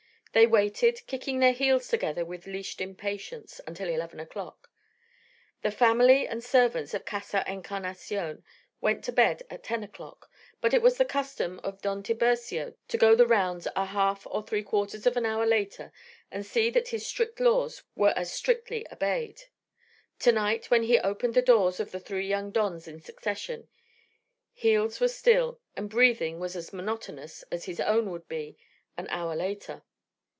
They waited, kicking their heels together with leashed impatience, until eleven o'clock. The family and servants of Casa Encarnacion went to bed at ten o'clock, but it was the custom of Don Tiburcio to go the rounds a half or three quarters of an hour later and see that his strict laws were as strictly obeyed. To night, when he opened the doors of the three young dons in succession, heels were still, and breathing was as monotonous as his own would be an hour later.